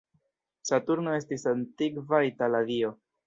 Saturno estis antikva itala dio.